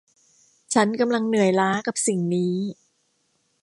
ฉันกำลังเหนื่อยล้ากับสิ่งนี้